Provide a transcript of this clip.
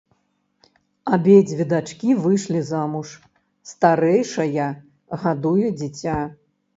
Абедзве дачкі выйшлі замуж, старэйшая гадуе дзіця.